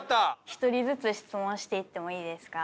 一人ずつ質問していってもいいですか？